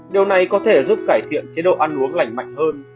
điều này có thể giúp cải thiện chế độ ăn uống lành mạnh hơn